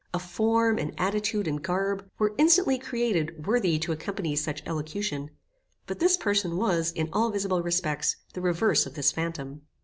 A form, and attitude, and garb, were instantly created worthy to accompany such elocution; but this person was, in all visible respects, the reverse of this phantom.